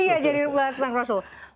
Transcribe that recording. iya jadi tentang rasul